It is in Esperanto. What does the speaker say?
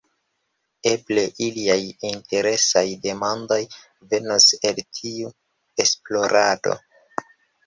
Eble aliaj interesaj demandoj venos el tiu esplorado.